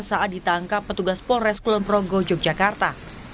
saat ditangkap petugas polres kulonprogo yogyakarta